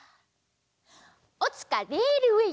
おつかレールウエー！